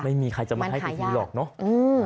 ไม่มีใครจะมาให้อีกทีหรอกเนาะ